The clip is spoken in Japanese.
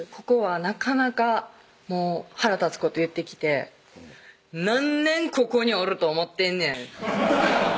ここはなかなかもう腹立つこと言ってきて「何年ここにおると思ってんねん」